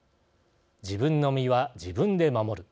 自分の身は自分で守る